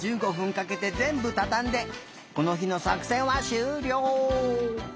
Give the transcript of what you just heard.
かけてぜんぶたたんでこのひのさくせんはしゅうりょう。